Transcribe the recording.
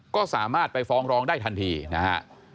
ก็สามารถไปฟ้องร้องได้ทันทีนะฮะ